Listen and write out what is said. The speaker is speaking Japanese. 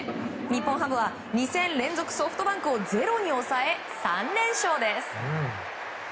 日本ハムは２戦連続ソフトバンクを０に抑え３連勝です。